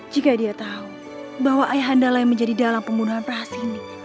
jika dia tahu bahwa ayahandala yang menjadi dalang pembunuhan rasi ini